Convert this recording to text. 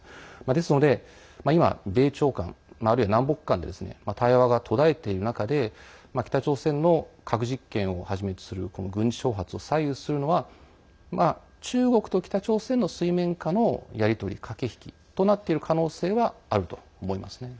ですので、今、米朝間あるいは南北間で対話が途絶えている中で北朝鮮の核実験をはじめとする軍事挑発を左右するのは中国と北朝鮮の水面下のやり取り駆け引きとなっている可能性はあると思いますね。